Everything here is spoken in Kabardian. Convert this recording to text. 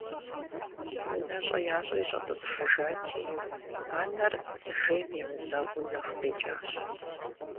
УнэщӀэ ящӀри щӀэтӀысхьэжати, анэр жейм емызэгъыу нэху къекӀащ.